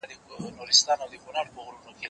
زه هره ورځ پوښتنه کوم!.